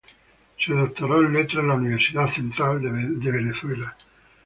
Se doctoró en letras en la Universidad Central de Venezuela.